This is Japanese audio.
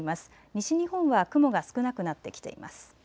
西日本は雲が少なくなってきています。